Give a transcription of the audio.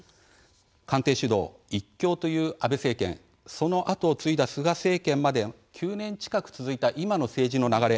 官邸主導、一強という安倍政権そのあとを継いだ菅政権までの９年近く続いた今の政治の流れ